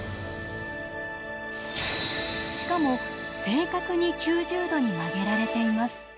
しかも正確に９０度に曲げられています。